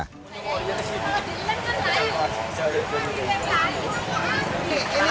oh ini kesini